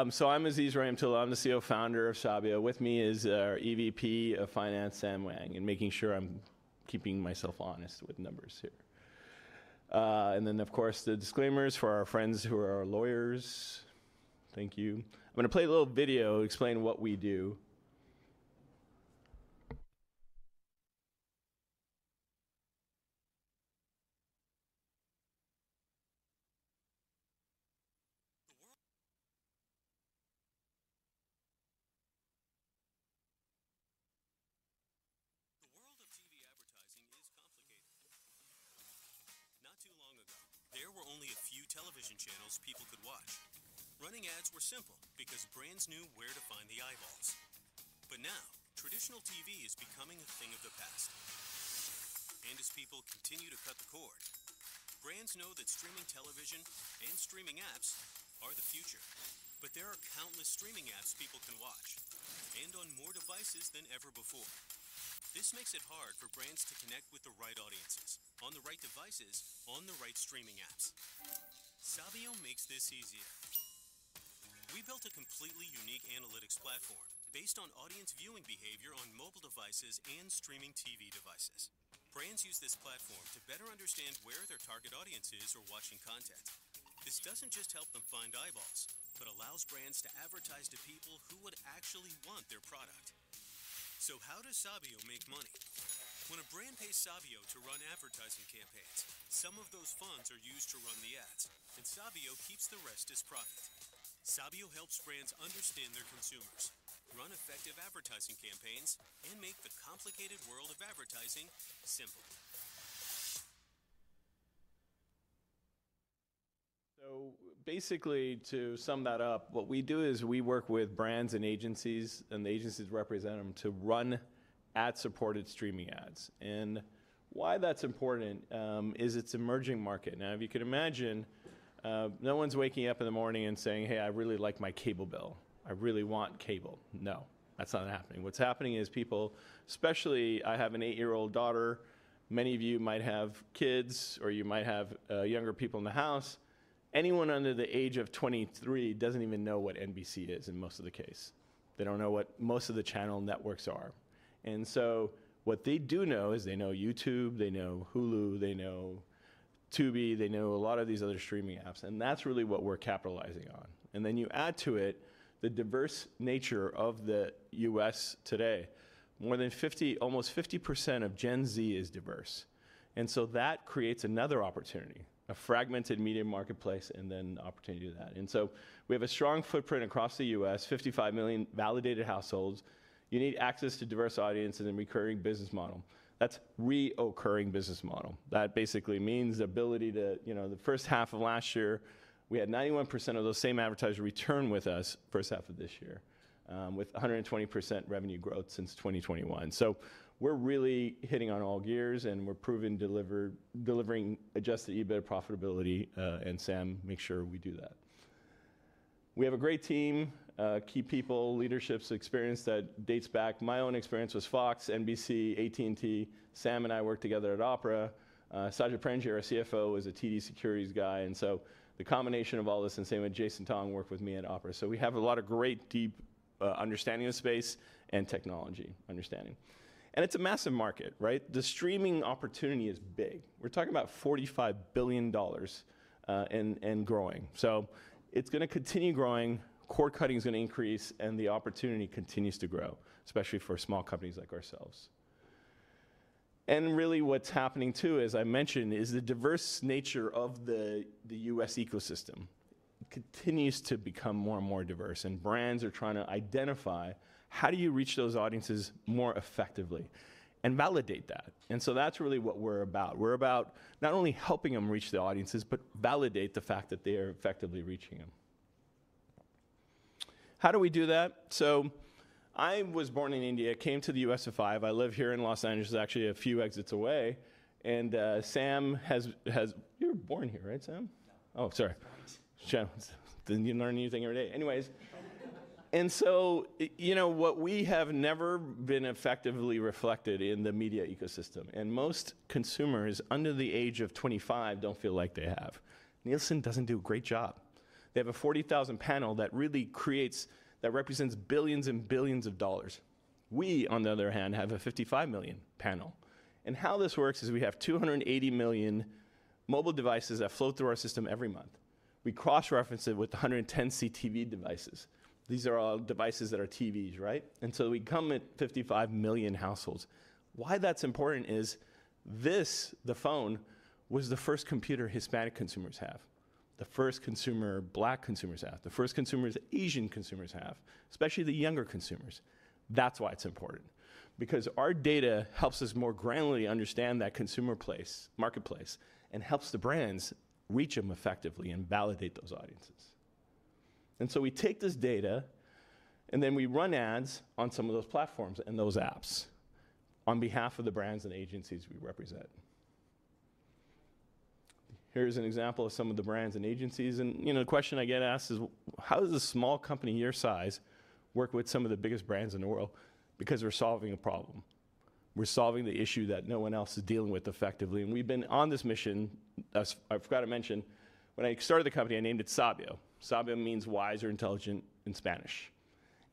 I'm Aziz Rahimtoola. I'm the CEO and founder of Sabio. With me is our EVP of finance, Sam Wang, and making sure I'm keeping myself honest with numbers here. Then, of course, the disclaimers for our friends who are lawyers. Thank you. I'm going to play a little video, explain what we do. The world of TV advertising is complicated. Not too long ago, there were only a few television channels people could watch. Running ads were simple because brands knew where to find the eyeballs. But now, traditional TV is becoming a thing of the past, and as people continue to cut the cord, brands know that streaming television and streaming apps are the future, but there are countless streaming apps people can watch, and on more devices than ever before. This makes it hard for brands to connect with the right audiences on the right devices, on the right streaming apps. Sabio makes this easier. We built a completely unique analytics platform based on audience viewing behavior on mobile devices and streaming TV devices. Brands use this platform to better understand where their target audience is watching content. This doesn't just help them find eyeballs, but allows brands to advertise to people who would actually want their product. So how does Sabio make money? When a brand pays Sabio to run advertising campaigns, some of those funds are used to run the ads, and Sabio keeps the rest as profit. Sabio helps brands understand their consumers, run effective advertising campaigns, and make the complicated world of advertising simple. So basically, to sum that up, what we do is we work with brands and agencies, and the agencies represent them, to run ad-supported streaming ads. And why that's important is it's an emerging market. Now, if you can imagine, no one's waking up in the morning and saying, "Hey, I really like my cable bill. I really want cable." No, that's not happening. What's happening is people, especially I have an eight-year-old daughter. Many of you might have kids, or you might have younger people in the house. Anyone under the age of 23 doesn't even know what NBC is, in most of the case. They don't know what most of the channel networks are. And so what they do know is they know YouTube, they know Hulu, they know Tubi, they know a lot of these other streaming apps. And that's really what we're capitalizing on. And then you add to it the diverse nature of the U.S. today. More than 50, almost 50% of Gen Z is diverse. And so that creates another opportunity: a fragmented media marketplace and then opportunity to that. And so we have a strong footprint across the U.S., 55 million validated households. You need access to diverse audiences and a recurring business model. That's recurring business model. That basically means the ability to, you know, the first half of last year, we had 91% of those same advertisers return with us the first half of this year, with 120% revenue growth since 2021. So we're really hitting on all gears, and we're providing, delivering adjusted EBITDA profitability. And Sam, make sure we do that. We have a great team, key people, leadership, experience that dates back. My own experience was Fox, NBC, AT&T. Sam and I worked together at Opera. Sabio Premji, our CFO, is a TD Securities guy. And so the combination of all this, and same with Jason Tong, worked with me at Opera. So we have a lot of great deep understanding of space and technology understanding. And it's a massive market, right? The streaming opportunity is big. We're talking about $45 billion and growing. So it's going to continue growing. Cord cutting is going to increase, and the opportunity continues to grow, especially for small companies like ourselves. And really what's happening too, as I mentioned, is the diverse nature of the U.S. ecosystem continues to become more and more diverse. And brands are trying to identify how do you reach those audiences more effectively and validate that. And so that's really what we're about. We're about not only helping them reach the audiences, but validate the fact that they are effectively reaching them. How do we do that? So I was born in India, came to the U.S. at five. I live here in Los Angeles, actually a few exits away. And Sam has, you were born here, right, Sam? Yeah. Oh, sorry. Right. Didn't you learn anything every day? Anyways. You know, what we have never been effectively reflected in the media ecosystem. Most consumers under the age of 25 don't feel like they have. Nielsen doesn't do a great job. They have a 40,000 panel that really creates that represents billions and billions of dollars. We, on the other hand, have a 55 million panel. How this works is we have 280 million mobile devices that flow through our system every month. We cross-reference it with 110 CTV devices. These are all devices that are TVs, right? So we come at 55 million households. Why that's important is this: the phone was the first computer Hispanic consumers have, the first consumer Black consumers have, the first consumers Asian consumers have, especially the younger consumers. That's why it's important. Because our data helps us more granularly understand that consumer place, marketplace, and helps the brands reach them effectively and validate those audiences. And so we take this data, and then we run ads on some of those platforms and those apps on behalf of the brands and agencies we represent. Here's an example of some of the brands and agencies. And, you know, the question I get asked is, how does a small company your size work with some of the biggest brands in the world? Because we're solving a problem. We're solving the issue that no one else is dealing with effectively. And we've been on this mission. I forgot to mention, when I started the company, I named it Sabio. Sabio means wise or intelligent in Spanish.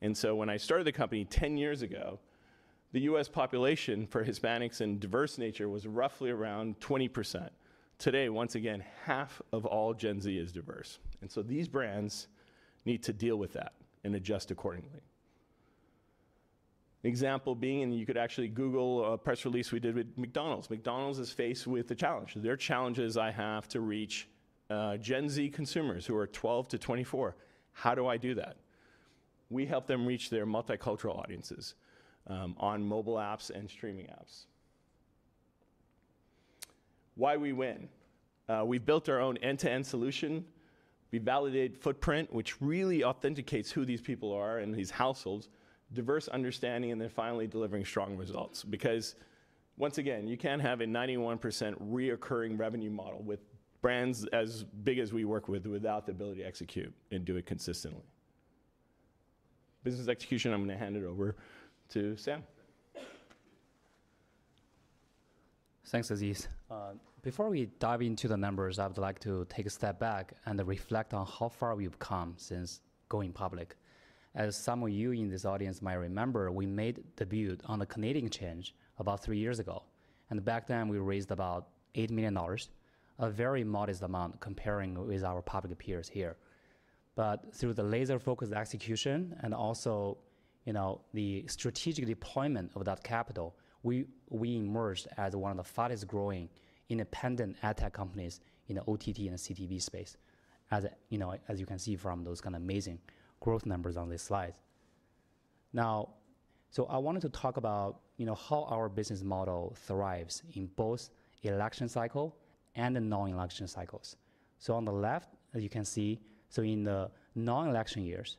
When I started the company 10 years ago, the U.S. population for Hispanics and diverse nature was roughly around 20%. Today, once again, half of all Gen Z is diverse. These brands need to deal with that and adjust accordingly. Example being, and you could actually Google a press release we did with McDonald's. McDonald's is faced with a challenge. There are challenges I have to reach Gen Z consumers who are 12-24. How do I do that? We help them reach their multicultural audiences on mobile apps and streaming apps. Why we win? We've built our own end-to-end solution. We validate footprint, which really authenticates who these people are and these households, diverse understanding, and then finally delivering strong results. Because once again, you can't have a 91% recurring revenue model with brands as big as we work with without the ability to execute and do it consistently. Business execution, I'm going to hand it over to Sam. Thanks, Aziz. Before we dive into the numbers, I would like to take a step back and reflect on how far we've come since going public. As some of you in this audience might remember, we made debut on a Canadian exchange about three years ago, and back then, we raised about $8 million, a very modest amount comparing with our public peers here. Through the laser-focused execution and also, you know, the strategic deployment of that capital, we emerged as one of the fastest-growing independent ad tech companies in the OTT and CTV space, as you can see from those kind of amazing growth numbers on this slide. Now, so I wanted to talk about, you know, how our business model thrives in both election cycle and the non-election cycles. On the left, as you can see, in the non-election years,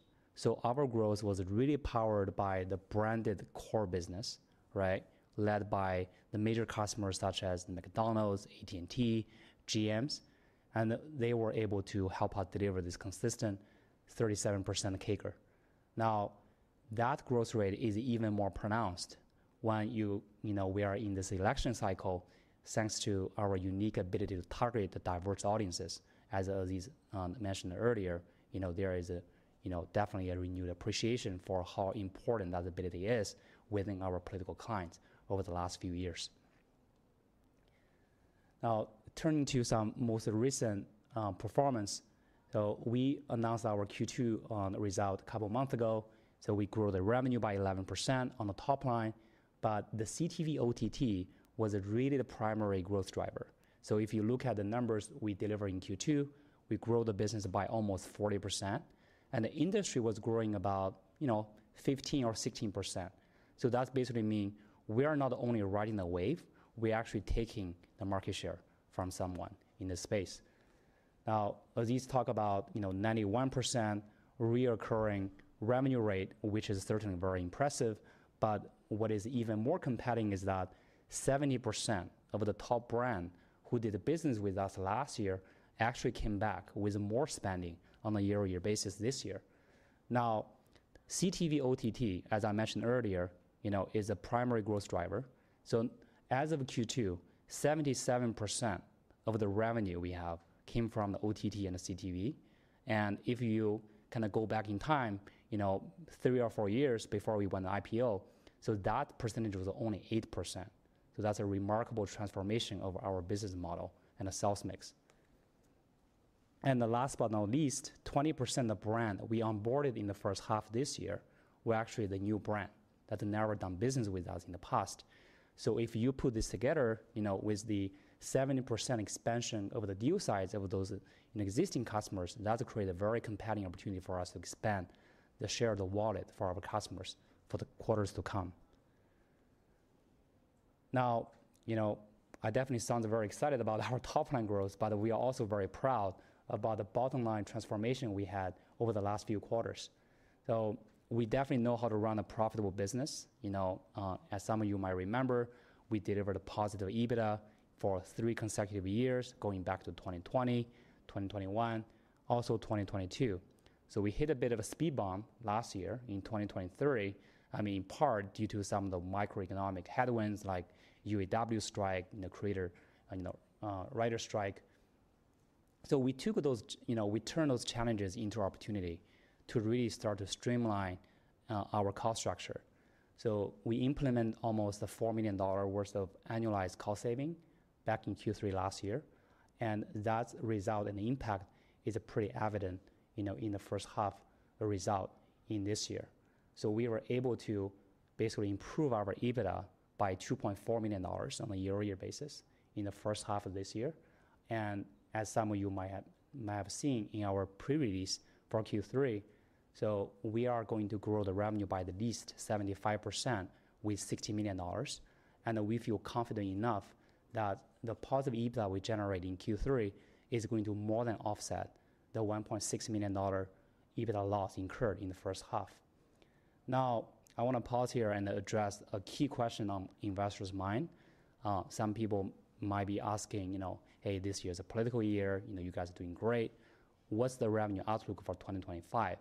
our growth was really powered by the branded core business, right, led by the major customers such as McDonald's, AT&T, GMs, and they were able to help us deliver this consistent 37% kicker. Now, that growth rate is even more pronounced when, you know, we are in this election cycle, thanks to our unique ability to target the diverse audiences. As Aziz mentioned earlier, you know, there is, you know, definitely a renewed appreciation for how important that ability is within our political clients over the last few years. Now, turning to our most recent performance, we announced our Q2 results a couple of months ago. We grew the revenue by 11% on the top line. But the CTV OTT was really the primary growth driver. So if you look at the numbers we deliver in Q2, we grew the business by almost 40%. And the industry was growing about, you know, 15%-16%. So that basically means we are not only riding the wave, we're actually taking the market share from someone in the space. Now, Aziz talked about, you know, 91% recurring revenue rate, which is certainly very impressive. But what is even more compelling is that 70% of the top brands who did business with us last year actually came back with more spending on a year-over-year basis this year. Now, CTV OTT, as I mentioned earlier, you know, is a primary growth driver. So as of Q2, 77% of the revenue we have came from the OTT and the CTV. And if you kind of go back in time, you know, three or four years before we won the IPO, so that percentage was only 8%. So that's a remarkable transformation of our business model and the sales mix. And last but not least, 20% of the brands we onboarded in the first half of this year were actually the new brands that had never done business with us in the past. So if you put this together, you know, with the 70% expansion of the deal size of those existing customers, that created a very compelling opportunity for us to expand the share of the wallet for our customers for the quarters to come. Now, you know, I definitely sound very excited about our top-line growth, but we are also very proud about the bottom-line transformation we had over the last few quarters. So we definitely know how to run a profitable business. You know, as some of you might remember, we delivered a positive EBITDA for three consecutive years going back to 2020, 2021, also 2022. So we hit a bit of a speed bump last year in 2023, I mean, in part due to some of the microeconomic headwinds like UAW strike and the, you know, writers' strike. So we took those, you know, we turned those challenges into opportunity to really start to streamline our cost structure. So we implemented almost a $4 million worth of annualized cost saving back in Q3 last year. And that result and impact is pretty evident, you know, in the first half result in this year. So we were able to basically improve our EBITDA by $2.4 million on a year-over-year basis in the first half of this year. As some of you might have seen in our pre-release for Q3, we are going to grow the revenue by at least 75% with $60 million. We feel confident enough that the positive EBITDA we generate in Q3 is going to more than offset the $1.6 million EBITDA loss incurred in the first half. Now, I want to pause here and address a key question on investors' mind. Some people might be asking, you know, hey, this year is a political year. You know, you guys are doing great. What is the revenue outlook for 2025?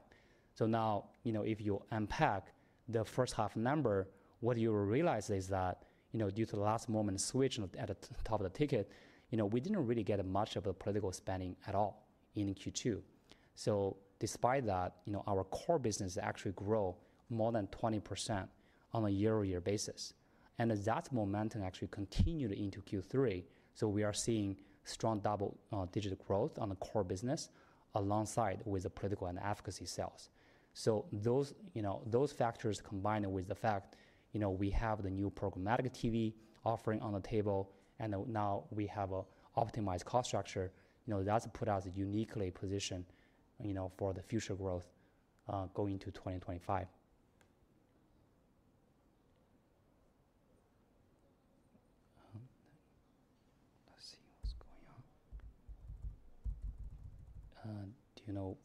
Now, you know, if you unpack the first half number, what you will realize is that, you know, due to the last moment switch at the top of the ticket, you know, we did not really get much of the political spending at all in Q2. So despite that, you know, our core business actually grew more than 20% on a year-over-year basis. And that momentum actually continued into Q3. So we are seeing strong double-digit growth on the core business alongside with the political and advocacy sales. So those, you know, those factors combined with the fact, you know, we have the new programmatic TV offering on the table, and now we have an optimized cost structure, you know, that's put us uniquely positioned, you know, for the future growth going into 2025. Let's see what's going on. Do you know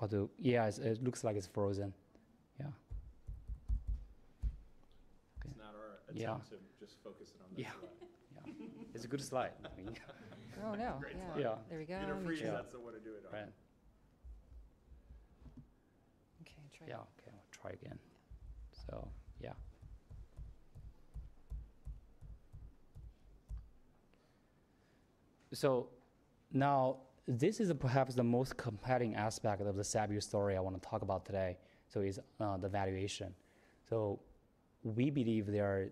how to? Yeah, it looks like it's frozen. Yeah. It's not our attempt to just focus it on that slide. Yeah, yeah. It's a good slide. Oh, no. Yeah. There we go. Interfering with that, so I want to do it. Okay, try again. Yeah, okay, I'll try again. Yeah. Yeah. Now, this is perhaps the most compelling aspect of the Sabio story I want to talk about today. It's the valuation. We believe there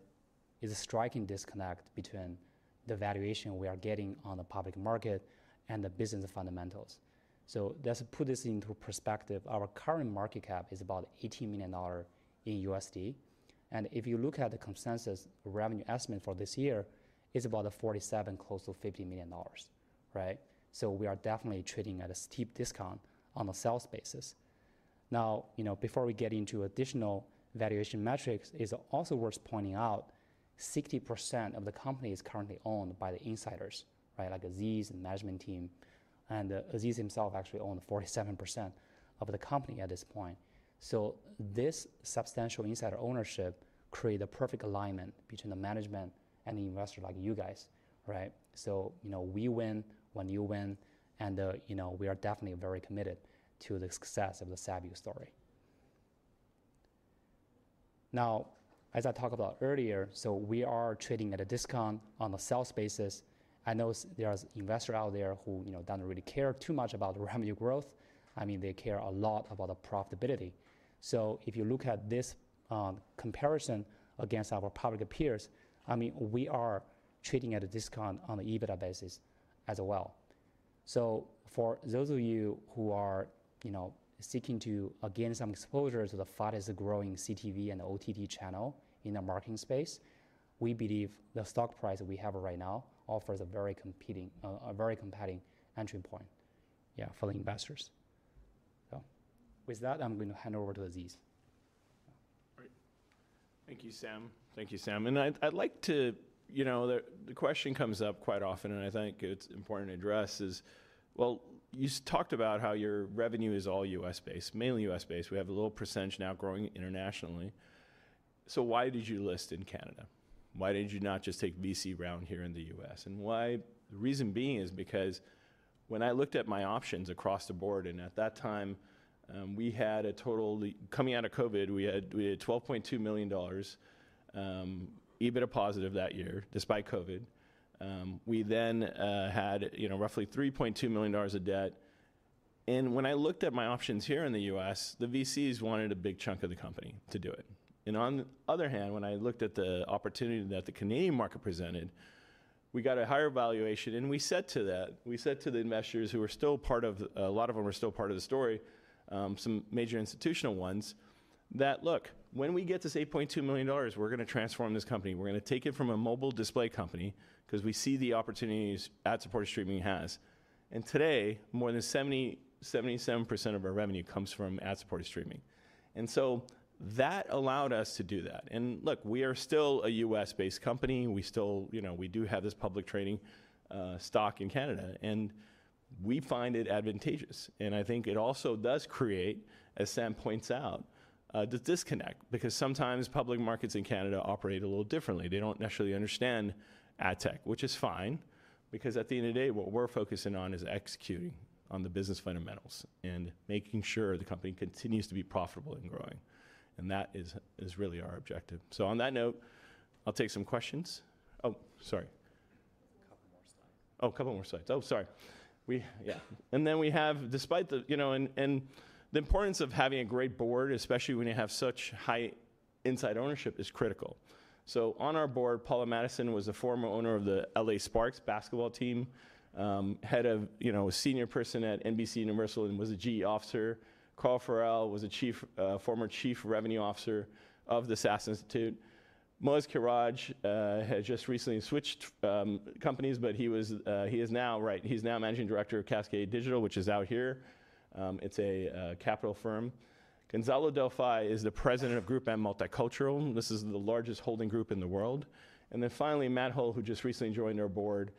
is a striking disconnect between the valuation we are getting on the public market and the business fundamentals. Let's put this into perspective. Our current market cap is about $18 million. If you look at the consensus revenue estimate for this year, it's about $47 million, close to $50 million, right? We are definitely trading at a steep discount on the sales basis. Now, you know, before we get into additional valuation metrics, it's also worth pointing out 60% of the company is currently owned by the insiders, right, like Aziz and the management team. Aziz himself actually owns 47% of the company at this point. This substantial insider ownership creates a perfect alignment between the management and the investor like you guys, right? You know, we win when you win. You know, we are definitely very committed to the success of the Sabio story. As I talked about earlier, we are trading at a discount on the sales basis. I know there are investors out there who, you know, don't really care too much about the revenue growth. I mean, they care a lot about the profitability. If you look at this comparison against our public peers, I mean, we are trading at a discount on the EBITDA basis as well. For those of you who are, you know, seeking to gain some exposure to the fastest-growing CTV and OTT channel in the marketing space, we believe the stock price we have right now offers a very compelling entry point, yeah, for the investors. With that, I'm going to hand it over to Aziz. All right. Thank you, Sam. Thank you, Sam. And I'd like to, you know, the question comes up quite often, and I think it's important to address is, well, you talked about how your revenue is all U.S.-based, mainly U.S.-based. We have a little percentage now growing internationally. So why did you list in Canada? Why did you not just take VC round here in the U.S.? And why? The reason being is because when I looked at my options across the board, and at that time, we had a total coming out of COVID, we had $12.2 million EBITDA positive that year, despite COVID. We then had, you know, roughly $3.2 million of debt. And when I looked at my options here in the U.S., the VCs wanted a big chunk of the company to do it. On the other hand, when I looked at the opportunity that the Canadian market presented, we got a higher valuation. We said to that, we said to the investors who were still part of, a lot of them were still part of the story, some major institutional ones, that, look, when we get this $8.2 million, we're going to transform this company. We're going to take it from a mobile display company because we see the opportunities ad-supported streaming has. Today, more than 70, 77% of our revenue comes from ad-supported streaming. That allowed us to do that. Look, we are still a U.S.-based company. We still, you know, we do have this public trading stock in Canada. We find it advantageous. And I think it also does create, as Sam points out, the disconnect because sometimes public markets in Canada operate a little differently. They don't necessarily understand ad tech, which is fine. Because at the end of the day, what we're focusing on is executing on the business fundamentals and making sure the company continues to be profitable and growing. And that is really our objective. So on that note, I'll take some questions. Oh, sorry. A couple more slides. Oh, a couple more slides. Oh, sorry. We, yeah. And then we have, despite the, you know, and the importance of having a great board, especially when you have such high inside ownership, is critical. So on our board, Paula Madison was the former owner of the L.A. Sparks basketball team, head of, you know, a senior person at NBCUniversal and was a GE officer. Carl Farrell was a chief, former chief revenue officer of the SAS Institute. Moz Kiraj had just recently switched companies, but he was, he is now, right, he's now managing director of Kascade Digital, which is out here. It's a capital firm. Gonzalo Del Fa is the president of GroupM Multicultural. This is the largest holding group in the world. And then finally, Matt Hoehl, who just recently joined our board,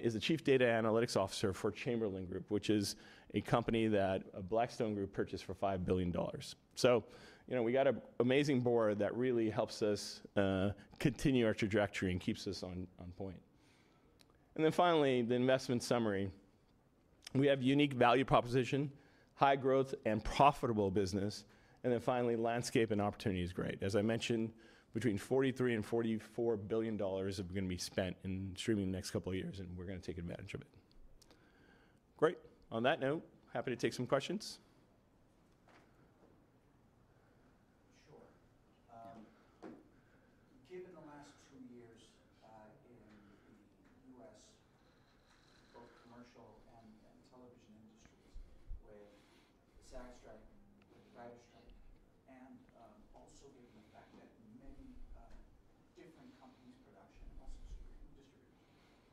is the Chief Data Analytics Officer for Chamberlain Group, which is a company that Blackstone Group purchased for $5 billion. So, you know, we got an amazing board that really helps us continue our trajectory and keeps us on point. And then finally, the investment summary. We have unique value proposition, high growth, and profitable business. And then finally, landscape and opportunity is great. As I mentioned, between $43 and $44 billion is going to be spent in streaming the next couple of years, and we're going to take advantage of it. Great. On that note, happy to take some questions. Sure. Given the last two years in the U.S., both commercial and television industries with the SAG strike, the DGA strike, and also given the fact that many different companies' production, also distributors,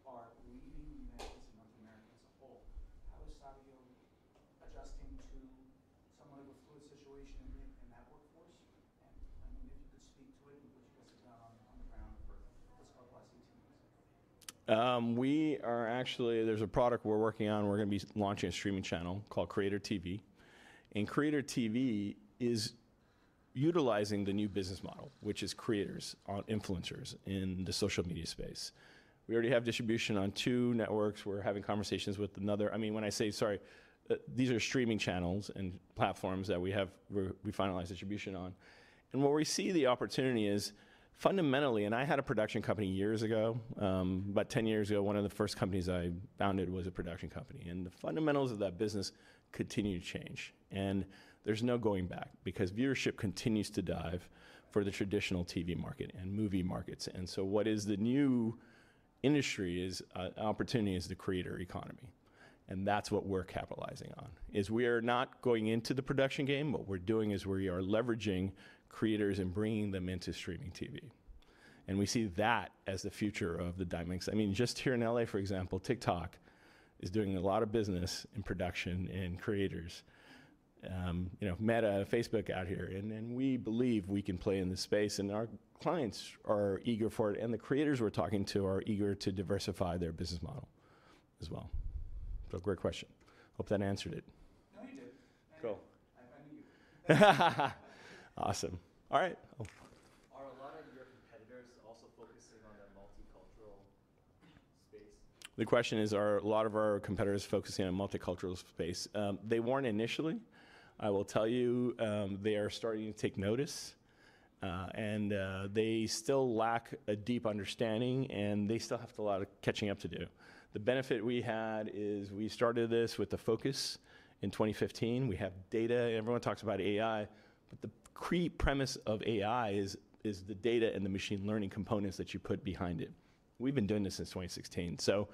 are leaving the United States and North America as a whole, how is Sabio adjusting to somewhat of a fluid situation in that workforce? And I mean, if you could speak to it and what you guys have done on the ground for what's called the last 18 months. Actually, there's a product we're working on. We're going to be launching a streaming channel called Creator TV. Creator TV is utilizing the new business model, which is creators, influencers in the social media space. We already have distribution on two networks. We're having conversations with another. I mean, when I say, sorry, these are streaming channels and platforms that we have finalized distribution on. Where we see the opportunity is fundamentally, and I had a production company years ago, about 10 years ago, one of the first companies I founded was a production company. The fundamentals of that business continue to change. There's no going back because viewership continues to dive for the traditional TV market and movie markets. So what the new industry opportunity is the creator economy. That's what we're capitalizing on. As we are not going into the production game, but what we're doing is we are leveraging creators and bringing them into streaming TV. And we see that as the future of the dynamics. I mean, just here in L.A., for example, TikTok is doing a lot of business in production and creators. You know, Meta, Facebook out here. And we believe we can play in this space. And our clients are eager for it. And the creators we're talking to are eager to diversify their business model as well. So great question. Hope that answered it. No, you did. Cool. I knew you. Awesome. All right. Are a lot of your competitors also focusing on that multicultural space? The question is, are a lot of our competitors focusing on multicultural space? They weren't initially. I will tell you, they are starting to take notice, and they still lack a deep understanding, and they still have a lot of catching up to do. The benefit we had is we started this with the focus in 2015. We have data, and everyone talks about AI. But the key premise of AI is the data and the machine learning components that you put behind it. We've been doing this since 2016, so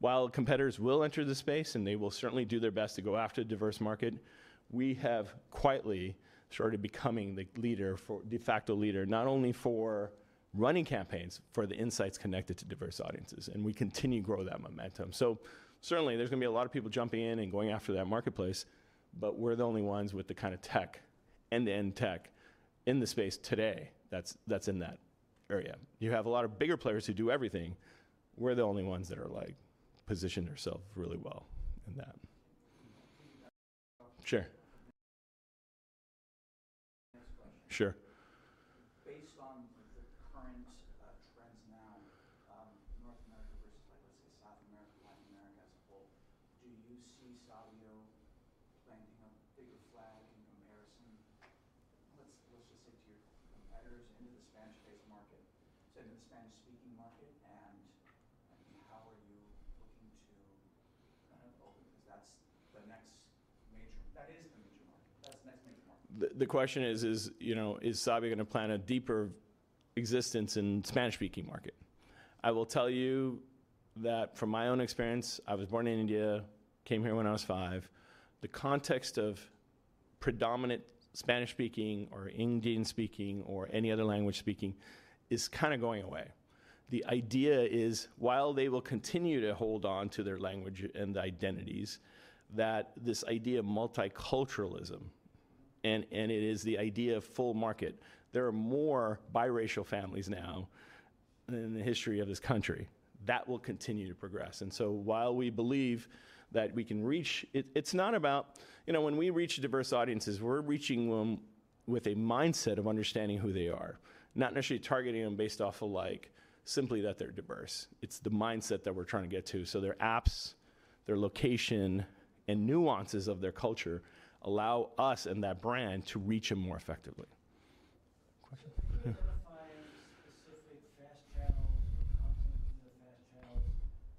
while competitors will enter the space, and they will certainly do their best to go after a diverse market, we have quietly started becoming the leader, de facto leader, not only for running campaigns, for the insights connected to diverse audiences, and we continue to grow that momentum. So certainly, there's going to be a lot of people jumping in and going after that marketplace. But we're the only ones with the kind of tech, end-to-end tech in the space today that's in that area. You have a lot of bigger players who do everything. We're the only ones that are like positioning ourselves really well in that. Sure. Next question. Sure. Based on the current trends now, North America versus, like, let's say, South America, Latin America as a whole, do you see Sabio planting a bigger flag in comparison, let's just say, to your competitors into the Spanish-based market, say, into the Spanish-speaking market? And how are you looking to kind of open? Because that's the next major that is the major market. That's the next major market. The question is, you know, is Sabio going to plan a deeper existence in the Spanish-speaking market? I will tell you that from my own experience, I was born in India, came here when I was five. The context of predominant Spanish-speaking or Indian-speaking or any other language speaking is kind of going away. The idea is, while they will continue to hold on to their language and identities, that this idea of multiculturalism, and it is the idea of full market, there are more biracial families now than in the history of this country. That will continue to progress. And so while we believe that we can reach, it's not about, you know, when we reach diverse audiences, we're reaching them with a mindset of understanding who they are, not necessarily targeting them based off of like, simply that they're diverse. It's the mindset that we're trying to get to. So their apps, their location, and nuances of their culture allow us and that brand to reach them more effectively. Question. Do you have to find specific FAST channels or content via FAST channels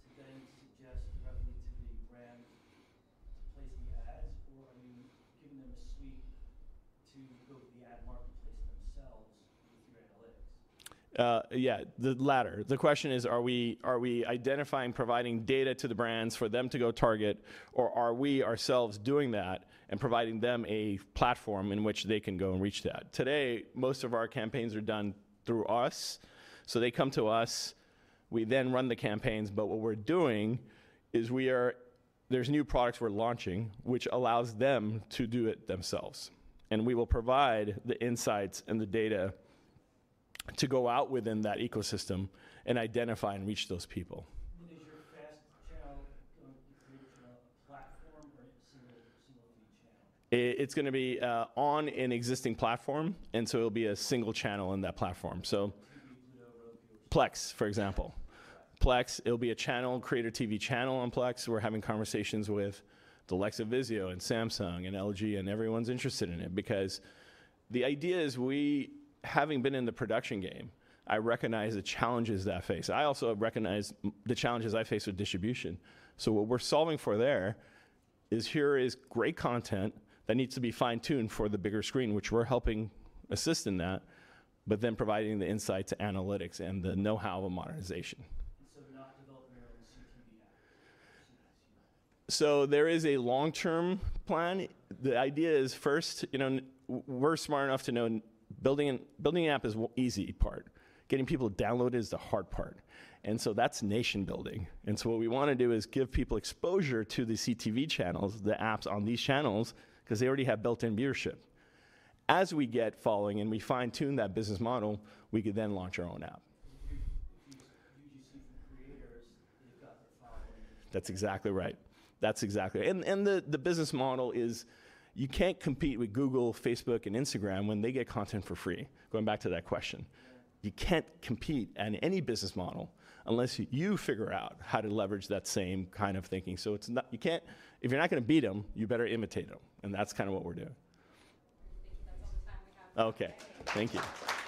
to then suggest directly to the brand to place the ads? Or are you giving them a sweep to go to the ad marketplace themselves with your analytics? `Yeah, the latter. The question is, are we identifying, providing data to the brands for them to go target, or are we ourselves doing that and providing them a platform in which they can go and reach that? Today, most of our campaigns are done through us. So they come to us. We then run the campaigns. But what we're doing is we are, there's new products we're launching, which allows them to do it themselves, and we will provide the insights and the data to go out within that ecosystem and identify and reach those people. Is your FAST channel going to reach a platform or a single TV channel? It's going to be on an existing platform, and so it'll be a single channel on that platform. So. TV, video, really few. Plex, for example. Plex, it'll be a channel, Creator TV channel on Plex. We're having conversations with Roku, Vizio, and Samsung and LG, and everyone's interested in it. Because the idea is we, having been in the production game, I recognize the challenges that I face. I also recognize the challenges I face with distribution. So what we're solving for there is here is great content that needs to be fine-tuned for the bigger screen, which we're helping assist in that, but then providing the insights, analytics, and the know-how of modernization. And so not developing your own CTV app? So there is a long-term plan. The idea is first, you know, we're smart enough to know building an app is the easy part. Getting people to download it is the hard part. And so that's nation-building. And so what we want to do is give people exposure to the CTV channels, the apps on these channels, because they already have built-in viewership. As we get following and we fine-tune that business model, we could then launch our own app. If you see some creators, they've got the following. That's exactly right. That's exactly right. And the business model is you can't compete with Google, Facebook, and Instagram when they get content for free. Going back to that question, you can't compete on any business model unless you figure out how to leverage that same kind of thinking. So it's not, you can't, if you're not going to beat them, you better imitate them. And that's kind of what we're doing. Thank you. That's all the time we have. Okay. Thank you.